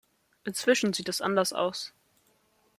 Inzwischen sieht es anders aus.